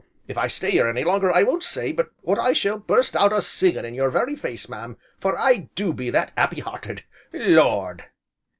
If I stay here any longer I won't say but what I shall burst out a singing in your very face, mam, for I do be that 'appy 'earted, Lord!"